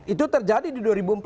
itu terjadi di dua ribu empat belas